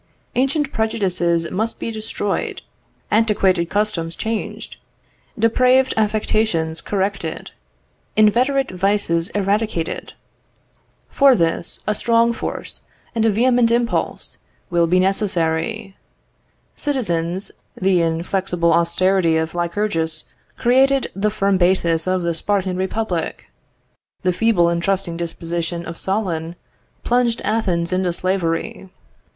Ancient prejudices must be destroyed, antiquated customs changed, depraved affections corrected, inveterate vices eradicated. For this, a strong force and a vehement impulse will be necessary.... Citizens, the inflexible austerity of Lycurgus created the firm basis of the Spartan republic. The feeble and trusting disposition of Solon plunged Athens into slavery.